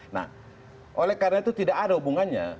nah oleh karena itu tidak ada hubungannya